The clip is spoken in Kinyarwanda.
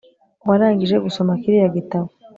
Warangije gusoma kiriya gitabo